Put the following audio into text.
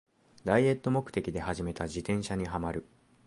ダイエット目的で始めた自転車にハマる